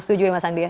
setuju ya mas andia